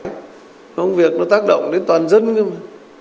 nó không việc nó tác động đến toàn dân cơ mà